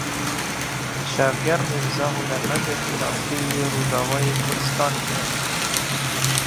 Şevger Mîrza hunermendekî naskirî yê Rojavayê Kurdistanê ye.